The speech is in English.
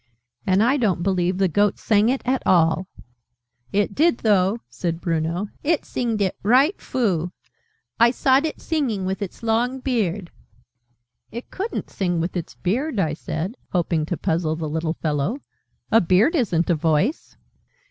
"And I don't believe the Goat sang it at all!" "It did, though!" said Bruno. "It singed it right froo. I sawed it singing with its long beard " "It couldn't sing with its beard," I said, hoping to puzzle the little fellow: "a beard isn't a voice."